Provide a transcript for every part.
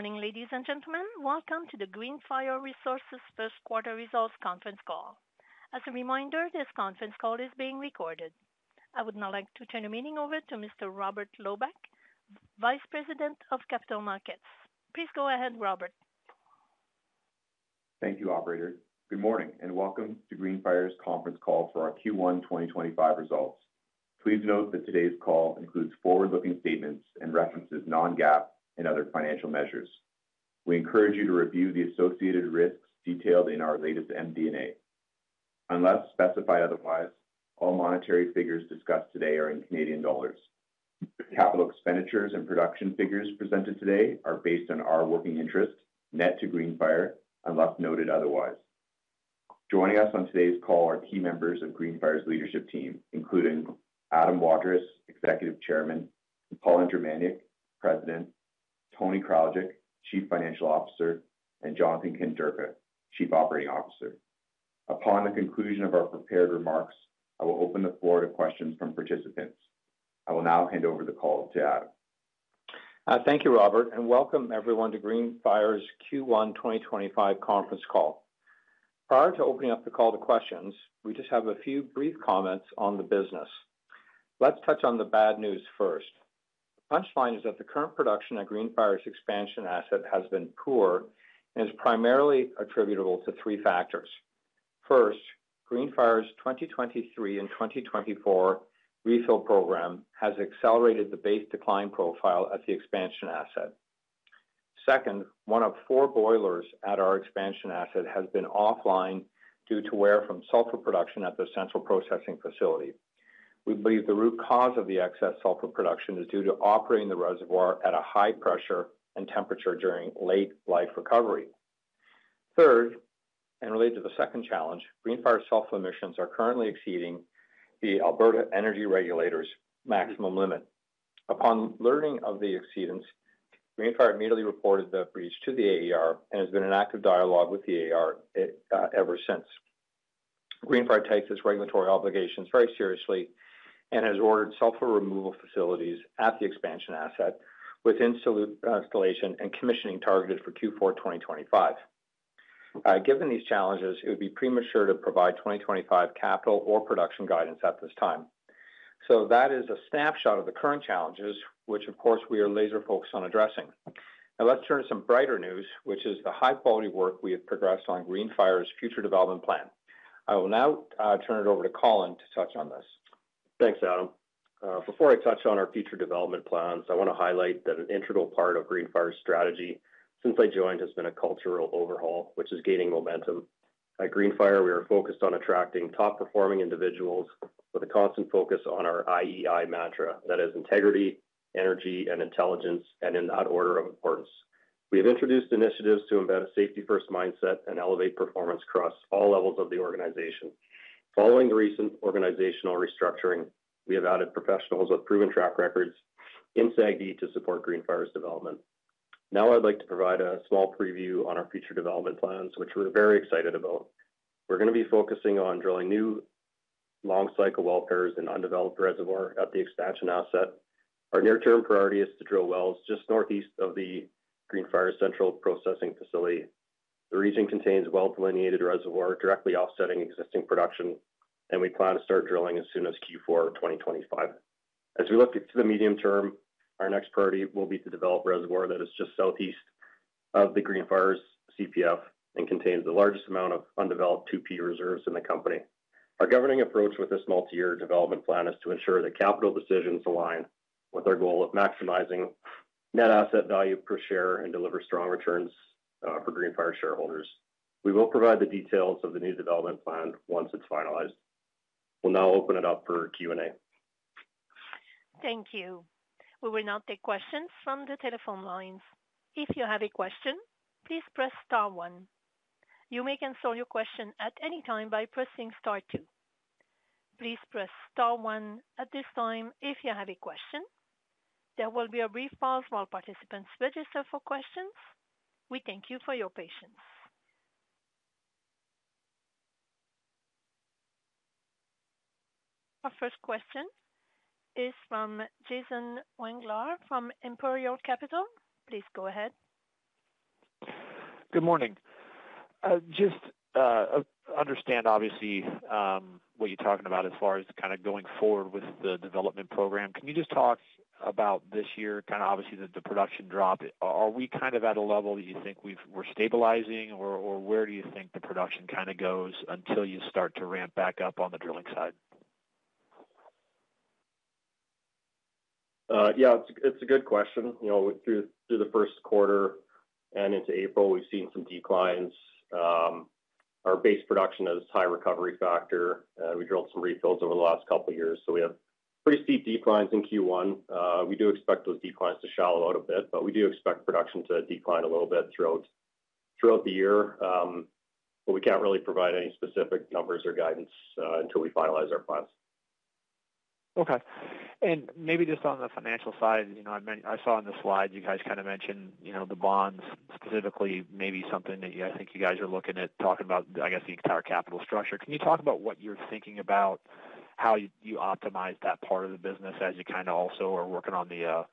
Morning, ladies and gentlemen. Welcome to the Greenfire Resources First Quarter Results Conference Call. As a reminder, this conference call is being recorded. I would now like to turn the meeting over to Mr. Robert Loebach, Vice President of Capital Markets. Please go ahead, Robert. Thank you, Operator. Good morning and welcome to Greenfire Resources' conference call for our Q1 2025 results. Please note that today's call includes forward-looking statements and references non-GAAP and other financial measures. We encourage you to review the associated risks detailed in our latest MD&A. Unless specified otherwise, all monetary figures discussed today are in CAD. Capital expenditures and production figures presented today are based on our working interest, net to Greenfire Resources, unless noted otherwise. Joining us on today's call are key members of Greenfire Resources' leadership team, including Adam Waterous, Executive Chairman; Colin Germaniuk, President; Tony Kraljic, Chief Financial Officer; and Jonathan Kanderka, Chief Operating Officer. Upon the conclusion of our prepared remarks, I will open the floor to questions from participants. I will now hand over the call to Adam. Thank you, Robert, and welcome everyone to Greenfire's Q1 2025 conference call. Prior to opening up the call to questions, we just have a few brief comments on the business. Let's touch on the bad news first. The punchline is that the current production at Greenfire's expansion asset has been poor and is primarily attributable to three factors. First, Greenfire's 2023 and 2024 refill program has accelerated the base decline profile at the expansion asset. Second, one of four boilers at our expansion asset has been offline due to wear from sulfur production at the central processing facility. We believe the root cause of the excess sulfur production is due to operating the reservoir at a high pressure and temperature during late life recovery. Third, and related to the second challenge, Greenfire's sulfur emissions are currently exceeding the Alberta Energy Regulator's maximum limit. Upon learning of the exceedance, Greenfire immediately reported the breach to the AER and has been in active dialogue with the AER ever since. Greenfire takes its regulatory obligations very seriously and has ordered sulfur removal facilities at the expansion asset with installation and commissioning targeted for Q4 2025. Given these challenges, it would be premature to provide 2025 capital or production guidance at this time. That is a snapshot of the current challenges, which, of course, we are laser-focused on addressing. Now, let's turn to some brighter news, which is the high-quality work we have progressed on Greenfire's future development plan. I will now turn it over to Colin to touch on this. Thanks, Adam. Before I touch on our future development plans, I want to highlight that an integral part of Greenfire's strategy since I joined has been a cultural overhaul, which is gaining momentum. At Greenfire, we are focused on attracting top-performing individuals with a constant focus on our IEI mantra. That is integrity, energy, and intelligence, and in that order of importance. We have introduced initiatives to embed a safety-first mindset and elevate performance across all levels of the organization. Following the recent organizational restructuring, we have added professionals with proven track records in SAGD to support Greenfire's development. Now, I'd like to provide a small preview on our future development plans, which we're very excited about. We're going to be focusing on drilling new long-cycle wells in undeveloped reservoir at the expansion asset. Our near-term priority is to drill wells just northeast of the Greenfire central processing facility. The region contains well-delineated reservoir directly offsetting existing production, and we plan to start drilling as soon as Q4 2025. As we look to the medium term, our next priority will be to develop reservoir that is just southeast of Greenfire's CPF and contains the largest amount of undeveloped 2P reserves in the company. Our governing approach with this multi-year development plan is to ensure that capital decisions align with our goal of maximizing net asset value per share and deliver strong returns for Greenfire shareholders. We will provide the details of the new development plan once it's finalized. We'll now open it up for Q&A. Thank you. We will now take questions from the telephone lines. If you have a question, please press star one. You may cancel your question at any time by pressing star two. Please press star one at this time if you have a question. There will be a brief pause while participants register for questions. We thank you for your patience. Our first question is from Jason Wenglar from Imperial Capital. Please go ahead. Good morning. Just understand, obviously, what you're talking about as far as kind of going forward with the development program. Can you just talk about this year, kind of obviously the production drop? Are we kind of at a level that you think we're stabilizing, or where do you think the production kind of goes until you start to ramp back up on the drilling side? Yeah, it's a good question. Through the first quarter and into April, we've seen some declines. Our base production has a high recovery factor, and we drilled some refills over the last couple of years. So we have pretty steep declines in Q1. We do expect those declines to shallow out a bit, but we do expect production to decline a little bit throughout the year. But we can't really provide any specific numbers or guidance until we finalize our plans. Okay. Maybe just on the financial side, I saw on the slide you guys kind of mentioned the bonds specifically, maybe something that I think you guys are looking at talking about, I guess, the entire capital structure. Can you talk about what you're thinking about, how you optimize that part of the business as you kind of also are working on the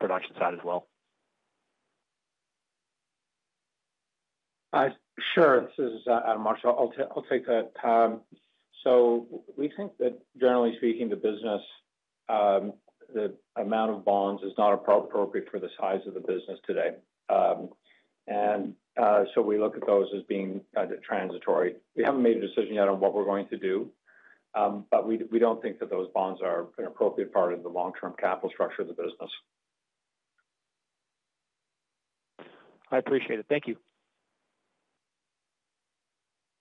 production side as well? Sure. This is Adam Waterous. I'll take that. We think that, generally speaking, the business, the amount of bonds, is not appropriate for the size of the business today. We look at those as being transitory. We haven't made a decision yet on what we're going to do, but we don't think that those bonds are an appropriate part of the long-term capital structure of the business. I appreciate it. Thank you.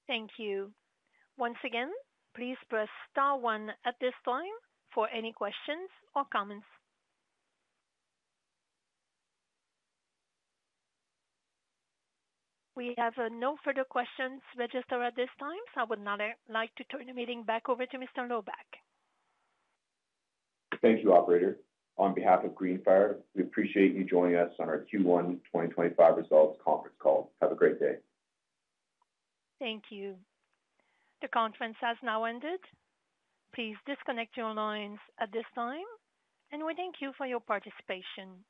Thank you. Once again, please press star one at this time for any questions or comments. We have no further questions registered at this time, so I would now like to turn the meeting back over to Mr. Loebach. Thank you, Operator. On behalf of Greenfire Resources, we appreciate you joining us on our Q1 2025 results conference call. Have a great day. Thank you. The conference has now ended. Please disconnect your lines at this time, and we thank you for your participation.